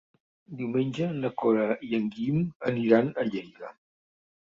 Diumenge na Cora i en Guim aniran a Lleida.